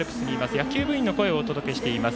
野球部員の声をお届けしています。